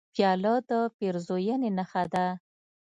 پیاله د پیرزوینې نښه ده.